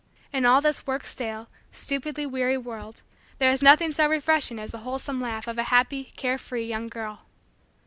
In all this work stale, stupidly weary, world there is nothing so refreshing as the wholesome laugh of a happy, care free, young girl.